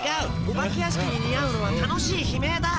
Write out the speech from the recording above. お化け屋敷に似合うのは楽しい悲鳴だ。